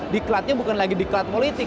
diklatnya bukan lagi diklat politik